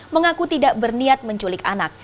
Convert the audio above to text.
mengaku tidak berniat menculik anak